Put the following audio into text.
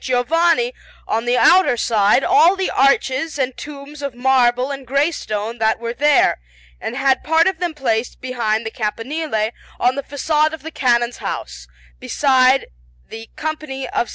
Giovanni, on the outer side, all the arches and tombs of marble and grey stone that were there, and had part of them placed behind the campanile on the façade of the Canon's house, beside the Company of S.